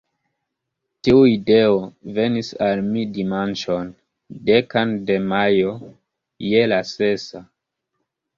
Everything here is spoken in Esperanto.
Tiu ideo venis al mi dimanĉon, dekan de majo, je la sesa.